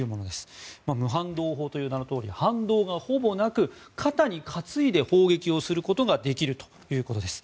無反動砲という名のとおり反動がほぼなく肩に担いで砲撃をすることができるということです。